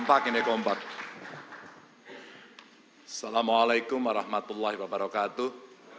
assalamu'alaikum warahmatullahi wabarakatuh